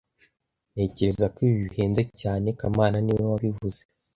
Ntekereza ko ibi bihenze cyane kamana niwe wabivuze